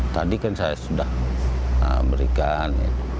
tadi kan saya sudah berikan